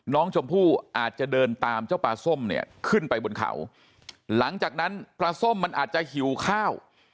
น้องชมพู่อาจจะเดินตามเจ้าปลาส้มเนี่ยขึ้นไปบนเขาหลังจากนั้นปลาส้มมันอาจจะหิวข้าว